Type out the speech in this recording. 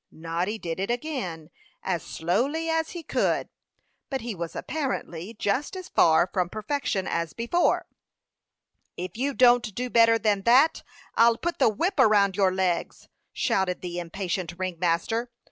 Noddy did it again, as slowly as he could; but he was apparently just as far from perfection as before. "If you don't do better than that, I'll put the whip around your legs!" shouted the impatient ring master.